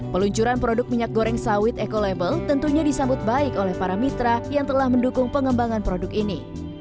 peluncuran produk minyak goreng sawit eco label tentunya disambut baik oleh para mitra yang telah mendukung pengembangan produk ini